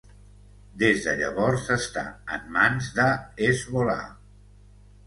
Des de llavors està en mans de Hezbollah.